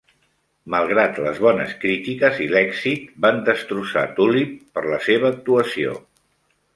Malgrat les bones crítiques i l'èxit, van destrossar Tulip per la seva actuació.